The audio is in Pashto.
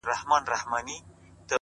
• په والله چي ته هغه یې بل څوک نه یې,,!